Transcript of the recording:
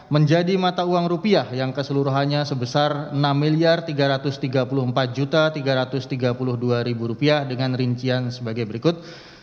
menjadi mata uang rupiah yang keseluruhannya sebesar rp enam tiga ratus tiga puluh empat tiga ratus tiga puluh dua dengan rincian sebagai berikut